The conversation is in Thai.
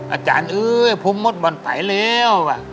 อาจารย์เออพรุ่งมดบ่อนไฟแล้ว